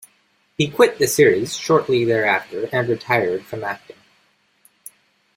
He quit the series shortly thereafter and retired from acting.